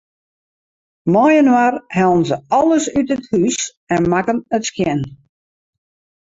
Mei-inoar hellen se alles út it hús en makken it skjin.